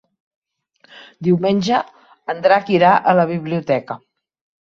Diumenge en Drac irà a la biblioteca.